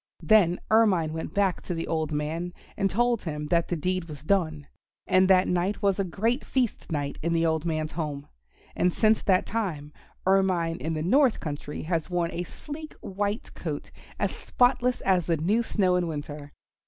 Then Ermine went back to the old man and told him that the deed was done; and that night was a great feast night in the old man's home. And since that time Ermine in the North Country has worn a sleek white coat as spotless as the new snow in winter.